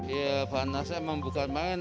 ya panasnya emang bukan main